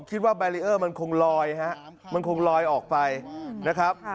ผมคิดว่าแบรีเออร์มันคงลอยมันคงลอยออกไปนะครับ